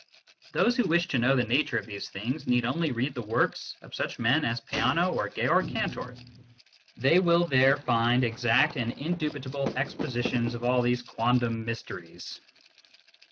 Those who wish to know the nature of these things need only read the works of such men as Peano or Georg Cantor ; they will there find exact and indubitable expositions of all these quondam mysteries.